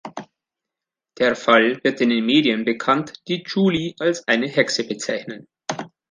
Der Fall wird in den Medien bekannt, die Julie als eine Hexe bezeichnen.